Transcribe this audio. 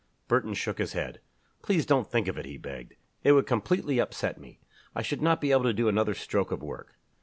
Burton shook his head. "Please don't think of it," he begged. "It would completely upset me. I should not be able to do another stroke of work."